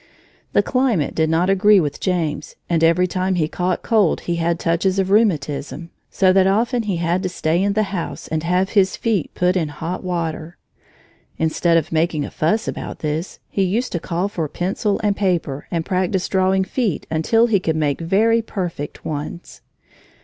The climate did not agree with James, and every time he caught cold he had touches of rheumatism, so that often he had to stay in the house and have his feet put in hot water. Instead of making a fuss about this, he used to call for pencil and paper and practise drawing feet until he could make very perfect ones.